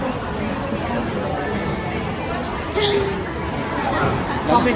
ที่เขามีความเห็นกับด้านนี้